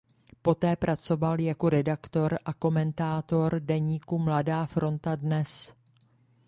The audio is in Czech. Poté pracoval jako redaktor a komentátor deníku Mladá fronta Dnes.